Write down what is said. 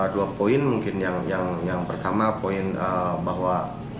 dua poin mungkin yang pertama poin bahwa